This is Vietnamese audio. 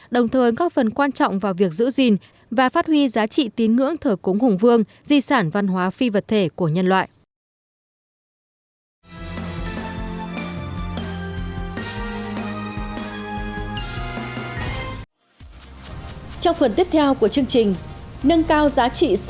đồng thời góp phần quan trọng vào việc giữ gìn và phát huy giá trị tín ngưỡng thờ cúng hùng vương di sản văn hóa phi vật thể của nhân loại